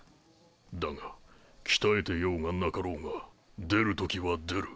だがきたえてようがなかろうが出る時は出る。